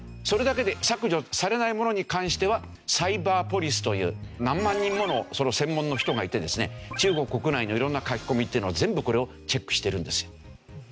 それだけで削除されないものに関してはサイバーポリスという何万人ものその専門の人がいてですね中国国内の色んな書き込みっていうのを全部これをチェックしてるんですよ。